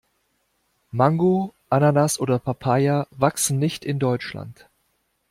Mango, Ananas oder Papaya wachsen nicht in Deutschland.